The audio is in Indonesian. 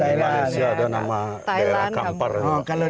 di malaysia ada nama kampar